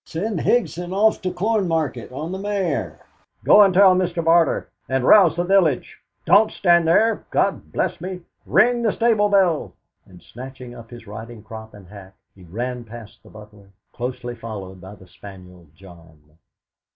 Send Higson off to Cornmarket on the mare. Go and tell Mr. Barter, and rouse the village. Don't stand there God bless me! Ring the stable bell!" And snatching up his riding crop and hat, he ran past the butler, closely followed by the spaniel John.